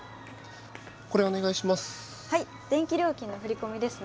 これお願いします。